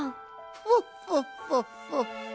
フォッフォッフォッフォッフォッ。